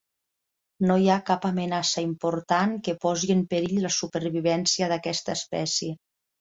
No hi ha cap amenaça important que posi en perill la supervivència d'aquesta espècie.